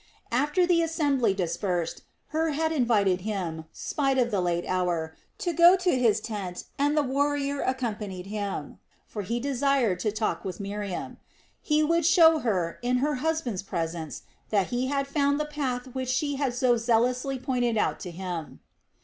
After the assembly dispersed, Hur had invited him, spite of the late hour, to go to his tent and the warrior accompanied him, for he desired to talk with Miriam. He would show her, in her husband's presence, that he had found the path which she had so zealously pointed out to him.